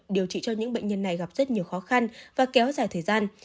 điều trị cho những bệnh nhân này gặp rất nhiều khó khăn và kéo dài thời gian